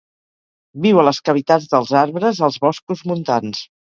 Viu a les cavitats dels arbres als boscos montans.